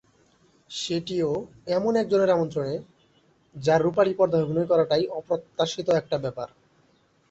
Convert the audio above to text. সেটিও এমন একজনের আমন্ত্রণে, যাঁর রুপালি পর্দায় অভিনয় করাটাই অপ্রত্যাশিত একটা ব্যাপার।